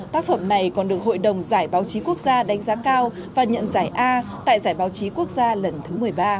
tác phẩm này còn được hội đồng giải báo chí quốc gia đánh giá cao và nhận giải a tại giải báo chí quốc gia lần thứ một mươi ba